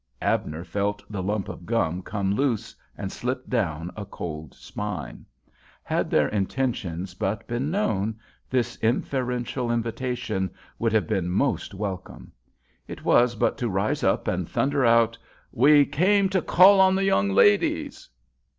Abner felt the lump of gum come loose and slip down a cold spine. Had their intentions but been known, this inferential invitation would have been most welcome. It was but to rise up and thunder out, "We came to call on the young ladies."